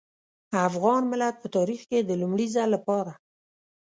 افغان ملت په تاريخ کې د لومړي ځل لپاره.